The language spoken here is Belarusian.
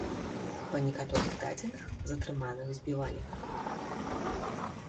Па некаторых дадзеных, затрыманых збівалі.